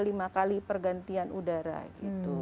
lima kali pergantian udara gitu